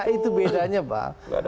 nah itu bedanya pak